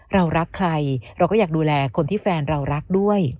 เรารักใครเราก็อยากดูแลคนที่แฟนเรารักด้วย